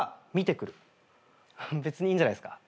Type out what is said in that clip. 別にいいんじゃないっすか？